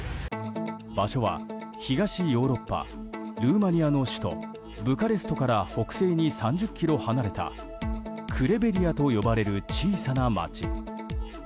場所は東ヨーロッパルーマニアの首都ブカレストから北西に３０ｋｍ離れたクレベディアと呼ばれる小さな町。